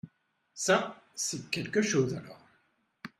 Ça c'est quelque choses alors.